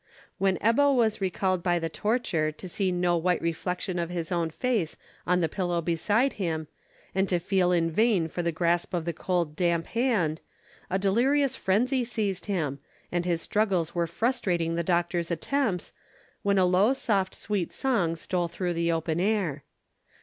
When Ebbo was recalled by the torture to see no white reflection of his own face on the pillow beside him, and to feel in vain for the grasp of the cold damp hand, a delirious frenzy seized him, and his struggles were frustrating the doctor's attempts, when a low soft sweet song stole through the open door.